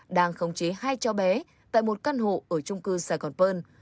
đang khống chế hai cháu bé tại một căn hộ ở trung cư sài gòn pơn